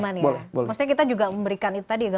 maksudnya kita juga memberikan itu tadi ya